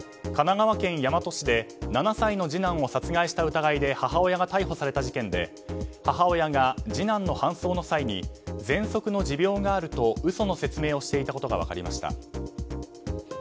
神奈川県大和市で７歳の次男を殺害した疑いで母親が逮捕された事件で母親が次男の搬送の際にぜんそくの持病があると嘘の説明をしていたことが分かりました。